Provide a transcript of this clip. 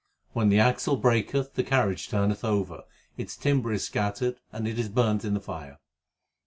When the axle breaketh, the carriage turneth over ; Its timber is scattered and it is burnt in the fire.